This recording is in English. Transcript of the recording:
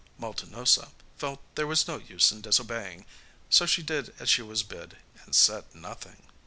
Mutinosa felt there was no use in disobeying, so she did as she was bid and said nothing.